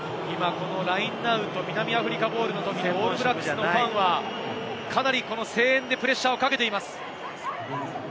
ラインアウト、南アフリカボールのときにオールブラックスファンは、かなり声援でプレッシャーをかけています。